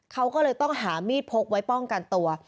เขาก็เลยต้องหามีดพกไว้ป้องกันตัว